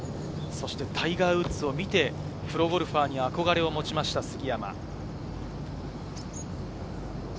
タイガー・ウッズを見てプロゴルファーに憧れを持ちました、杉山。